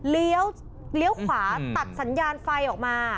เลี้ยวขวาตัดสัญญาณไฟออกมา